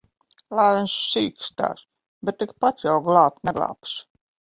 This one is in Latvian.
Lai viņš cīkstas! Bet tikpat jau glābt neglābs.